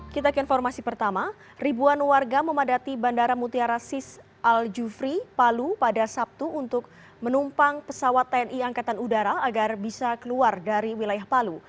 kita ke informasi pertama ribuan warga memadati bandara mutiara sis al jufri palu pada sabtu untuk menumpang pesawat tni angkatan udara agar bisa keluar dari wilayah palu